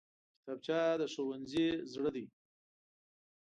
کتابچه د ښوونځي زړه دی